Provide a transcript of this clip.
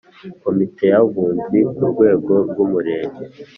Komite y Abunzi ku rwego rw Umurenge